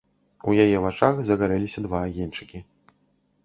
У яе вачах загарэліся два агеньчыкі.